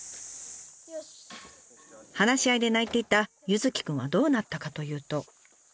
話し合いで泣いていた柚輝くんはどうなったかというと。